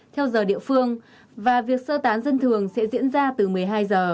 theo giờ địa phương và việc sơ tán dân thường sẽ diễn ra từ một mươi hai giờ